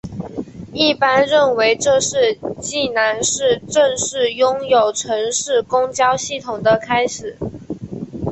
一般认为这是济南市正式拥有城市公交系统的开始。